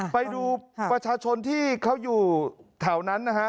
ไปดูประชาชนที่เขาอยู่แถวนั้นนะฮะ